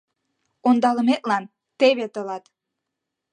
— Ондалыметлан — теве тылат!